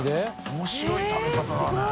面白い食べ方だね。